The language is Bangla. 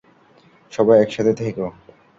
সবাই একসাথে থেকো!